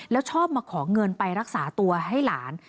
แล้วชอบมาขอเงินไปรักษาตัวให้หลาน